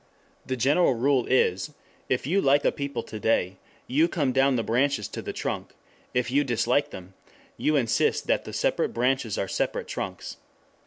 The general rule is: if you like a people to day you come down the branches to the trunk; if you dislike them you insist that the separate branches are separate trunks.